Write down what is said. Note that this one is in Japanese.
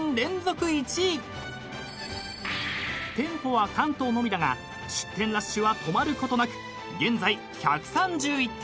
［店舗は関東のみだが出店ラッシュは止まることなく現在１３１店舗］